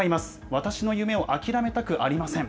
私の夢を諦めたくありません。